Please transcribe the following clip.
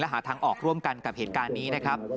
หาทางออกร่วมกันกับเหตุการณ์นี้นะครับ